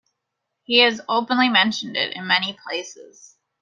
He has openly mentioned it in many places.